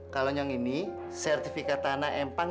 kalau yang ini sertifikat tanah empang